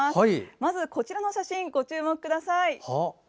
まず、こちらの写真をご注目ください。